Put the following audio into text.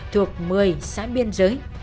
thuộc một mươi xã biên giới